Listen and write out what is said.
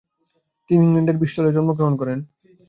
তিনি ইংল্যান্ডের ব্রিস্টলে জন্মগ্রহণ করেন।